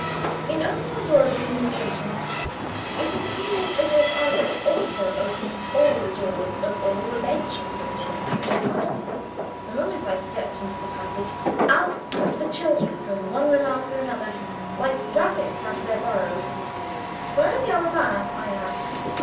In opening the door of communication, it appeared as if I had also opened all the doors of all the bedchambers in the rectory. The moment I stepped into the passage, out popped the children from one room after another, like rabbits out of their burrows. "Where is your mamma?" I asked.